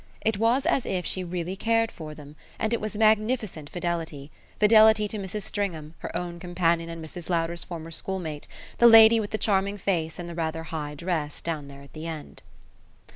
It was as if she really cared for them, and it was magnificent fidelity fidelity to Mrs. Stringham, her own companion and Mrs. Lowder's former schoolmate, the lady with the charming face and the rather high dress down there at the end.